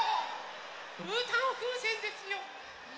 うーたんふうせんですよ！